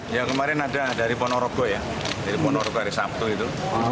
ya kemarin ada dari ponorogo ya jadi monorogo hari sabtu itu